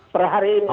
per hari ini